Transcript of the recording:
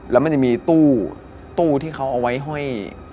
แล้วมันจะมีตู้ที่เขาเอาไว้ห้อย